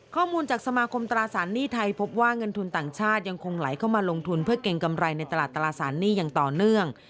ข้อมูลจากสมาคมตราสารหนี้ไทยพบว่าเงินทุนต่างชาติยังคงไหลเข้ามาลงทุนเพื่อเก่งกำไรในตลาดตราสารหนี้อย่างต่อเนื่อง